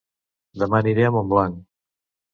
Dema aniré a Montblanc